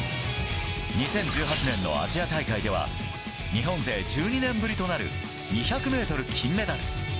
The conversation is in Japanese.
２０１８年のアジア大会では日本勢１２年ぶりとなる２００ｍ金メダル。